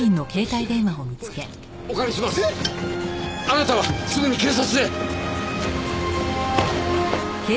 あなたはすぐに警察へ！